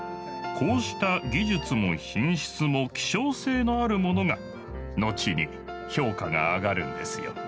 こうした技術も品質も希少性のあるものが後に評価が上がるんですよ。